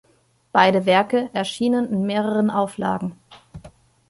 Beide Werke erschienen in mehreren Auflagen.